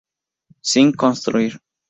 Sin construir